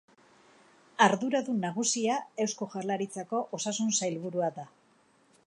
Arduradun nagusia Eusko Jaurlaritzako Osasun Sailburua da.